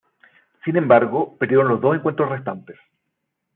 Sin embargo, perdieron los dos encuentros restantes.